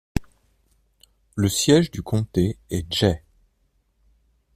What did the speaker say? Le siège du comté est Jay.